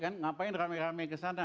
kenapa ramai ramai ke sana